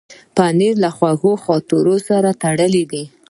پنېر له خوږو خاطرونو سره تړلی دی.